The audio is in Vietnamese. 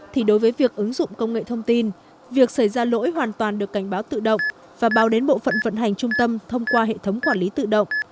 thì đối với việc ứng dụng công nghệ thông tin việc xảy ra lỗi hoàn toàn được cảnh báo tự động và báo đến bộ phận vận hành trung tâm thông qua hệ thống quản lý tự động